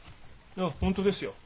いや本当ですよ。